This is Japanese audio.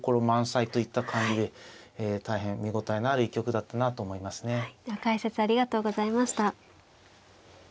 満載といった感じで大変見応えのある一局だったなと思いますね。